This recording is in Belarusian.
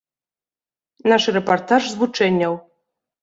Наш рэпартаж з вучэнняў.